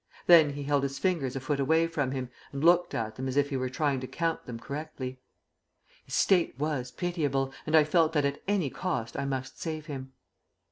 Then he held his fingers a foot away from him, and looked at them as if he were trying to count them correctly. His state was pitiable, and I felt that at any cost I must save him.